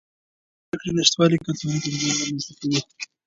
د زده کړې نشتوالی کلتوري کمزوري رامنځته کوي.